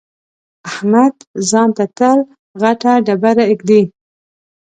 احمد ځان ته تل غټه ډبره اېږدي.